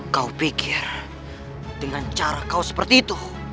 kau pikir dengan cara kau seperti itu